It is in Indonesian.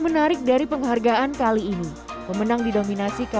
menarik dari penghargaan kali ini pemenang didominasi